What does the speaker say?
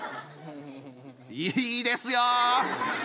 いいですよ。